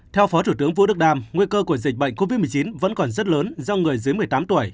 theo phó thủ tướng vũ đức đam nguy cơ của dịch bệnh covid một mươi chín vẫn còn rất lớn do người dưới một mươi tám tuổi